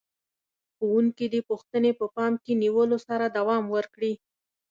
ښوونکي دې پوښتنې په پام کې نیولو سره دوام ورکړي.